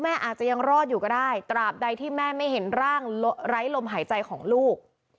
อาจจะยังรอดอยู่ก็ได้ตราบใดที่แม่ไม่เห็นร่างไร้ลมหายใจของลูก